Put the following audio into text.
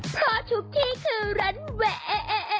เพราะทุกที่คือรันเวย์